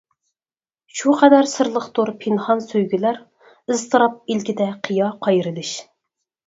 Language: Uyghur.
شۇ قەدەر سىرلىقتۇر پىنھان سۆيگۈلەر، ئىزتىراپ ئىلكىدە قىيا قايرىلىش.